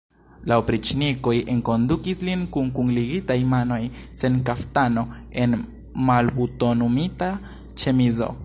La opriĉnikoj enkondukis lin kun kunligitaj manoj, sen kaftano, en malbutonumita ĉemizo.